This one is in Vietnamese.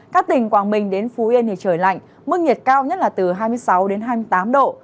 các tỉnh quảng bình đến phú yên thì trời lạnh mức nhiệt cao nhất là từ hai mươi sáu đến hai mươi tám độ